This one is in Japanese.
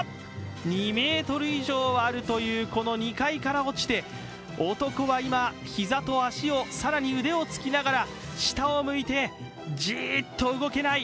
２ｍ以上はあるというこの２階から落ちて男は今、膝と足と、更に腕をつきながら下を向いてじーっと動けない。